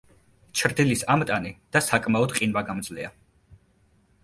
ჩრდილის ამტანი და საკმაოდ ყინვაგამძლეა.